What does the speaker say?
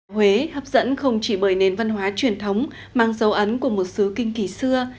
huế hấp dẫn không chỉ bởi nền văn hóa truyền thống mang dấu ấn của một xứ kinh kỳ xưa